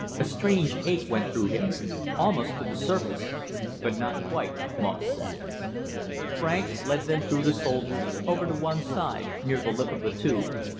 A strange ache went through him. "Almost to the surface." "But not quite," Moss said. Franks led them through the soldiers, over to one side, near the lip of the Tube.